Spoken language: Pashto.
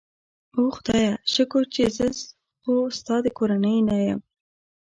اوه خدایه، شکر چې زه خو ستا د کورنۍ نه یم.